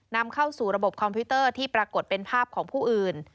นำเข้าสู่ระบบคอมพิวเตอร์ที่ปรากฏเป็นภาพของผู้อื่น